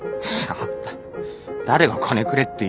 誰が金くれって言ったよ。